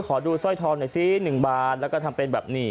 ขอดูสร้อยทองหน่อยซิ๑บาทแล้วก็ทำเป็นแบบนี้